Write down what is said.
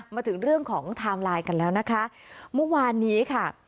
มาถึงเรื่องของไทม์ไลน์กันแล้วนะคะเมื่อวานนี้ค่ะ